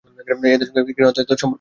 এদের সঙ্গে ক্ষীণ আত্মীয়তার সম্পর্ক আছে।